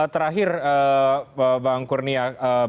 terakhir pak angkurnia